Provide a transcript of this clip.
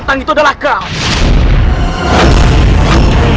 aku adalah pemilik dari sabit kembar